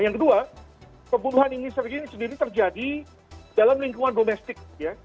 yang kedua pembunuhan ini sendiri terjadi dalam lingkungan domestik ya